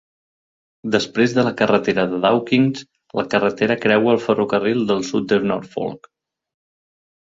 Després de la carretera de Dawkins, la carretera creua el ferrocarril del sud de Norfolk.